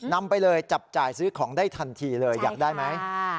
นำไปเลยจับจ่ายซื้อของได้ทันทีเลยอยากได้ไหม